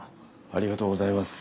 ありがとうございます。